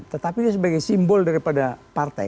tetapi dia sebagai simbol daripada partai